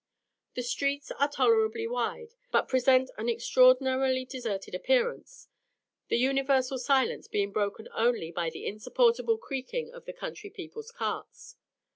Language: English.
The streets are tolerably wide, but present an extraordinarily deserted appearance, the universal silence being broken only by the insupportable creaking of the country people's carts.